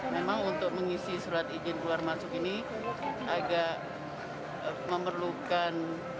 memang untuk mengisi surat izin keluar masuk ini agak memerlukan